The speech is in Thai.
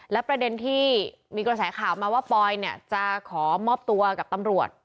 และประเด็นที่มีกระแสข่าวมาว่าปอยเนี่ยจะขอมอบตัวกับตำรวจ